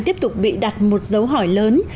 tiếp tục bị đặt một dấu hỏi lớn